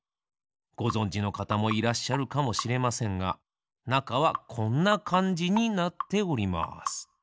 ごぞんじのかたもいらっしゃるかもしれませんがなかはこんなかんじになっております。